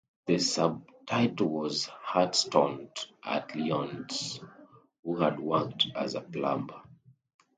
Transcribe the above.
The subtitle was Hart's taunt at Lyons, who had worked as a plumber.